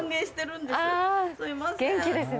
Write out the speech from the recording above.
元気ですね。